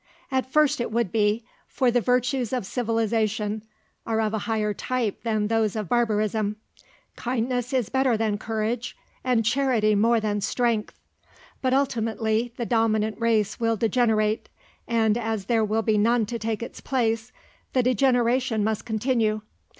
"At first it would be, for the virtues of civilisation are of a higher type than those of barbarism. Kindness is better than courage, and charity more than strength. But ultimately the dominant race will degenerate, and as there will be none to take its place, the degeneration must continue.